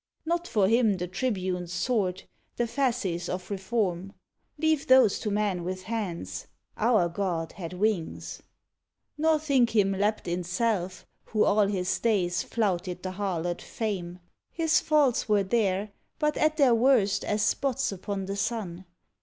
Not for him The tribune s sword, the fasces of reform: Leave those to men with hands our god had wings. SHAKESPEARE Nor think him lapped in self, who all his days Flouted the harlot Fame. His faults were there, But at their worst as spots upon the sun.